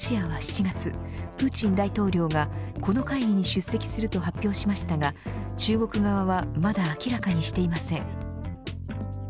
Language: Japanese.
ロシアは７月、プーチン大統領がこの会議に出席すると発表しましたが中国側はまだ明らかにしていません。